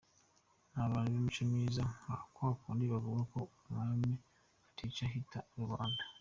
Ni abantu b’imico myiza nka kwakundi bavuga ko umwami atica hica rubanda.